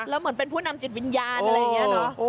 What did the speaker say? แล้วเหมือนเป็นผู้นำจิตวิญญาณอะไรอย่างนี้เนอะ